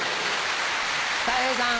たい平さん。